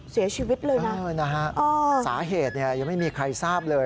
เสียชีวิตเลยนะน่ะฮะสาเหตุยังไม่มีใครทราบ